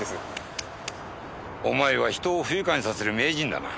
お前は人を不愉快にさせる名人だな。